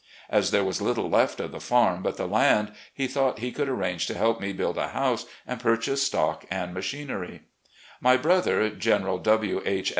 As there was little left of the farm but the land, he thought he could arrange to help me build a house and purchase stock and machinery. THE SURRENDER i6i My brother, General W. H.